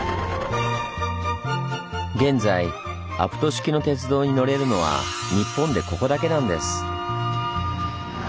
現在アプト式の鉄道に乗れるのは日本でここだけなんです。